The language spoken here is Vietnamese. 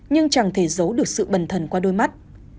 nhưng chẳng thể giấu được sự bần thần qua đôi mắt